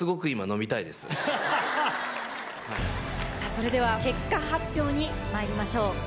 それでは結果発表にまいりましょう。